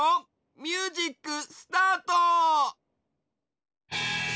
ミュージックスタート！